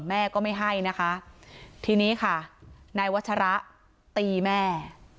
แม่ก็ไม่ให้นะคะทีนี้ค่ะนายวัชระตีแม่